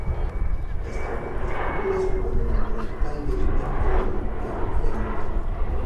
Esta última estructura supone una altura total de entre la cúpula y la linterna.